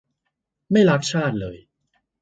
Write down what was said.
ไม่รักชาติเลย